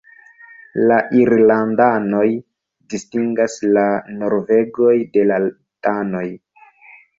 La irlandanoj distingas la norvegoj de la danoj.